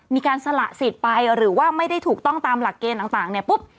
มีการสละสิทธิ์ไปหรือว่าไม่ได้ถูกต้องตามหลักเกณฑ์ต่างเนี่ยปุ๊บ